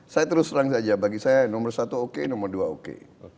saya terus terang saja bagi saya nomor satu oke nomor dua oke